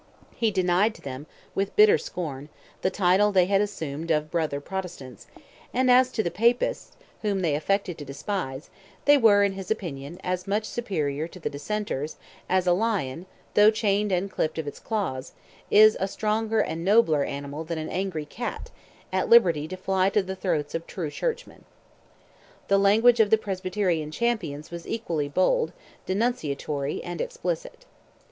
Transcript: He denied to them, with bitter scorn, the title they had assumed of "Brother Protestants," and as to the Papists, whom they affected to despise, they were, in his opinion, as much superior to the Dissenters, as a lion, though chained and clipped of its claws, is a stronger and nobler animal than an angry cat, at liberty to fly at the throats of true churchmen. The language of the Presbyterian champions was equally bold, denunciatory, and explicit.